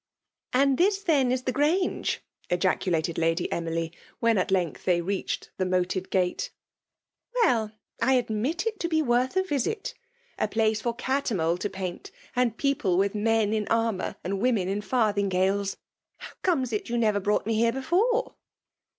*"" And this then is the Grange ?*' gaodated Lady Emily, when at length they reached the moated gate. *' Well ! I admit it to be worth a risit ! A place for Cattermole to paint sad people with meil in annour and women in fivthiBgalea! — ^How comes it you never brought me here before